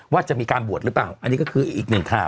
ว่าจะมีการบวชหรือเปล่า